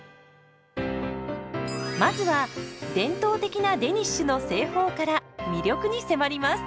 まずは伝統的なデニッシュの製法から魅力に迫ります。